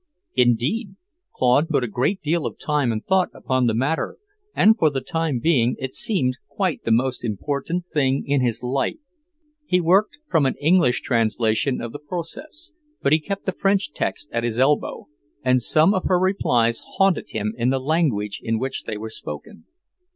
Indeed, Claude put a great deal of time and thought upon the matter, and for the time being it seemed quite the most important thing in his life. He worked from an English translation of the Proces, but he kept the French text at his elbow, and some of her replies haunted him in the language in which they were spoken.